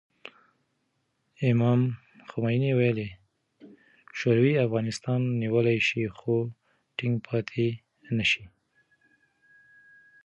امام خمیني ویلي، شوروي افغانستان نیولی شي خو ټینګ پاتې نه شي.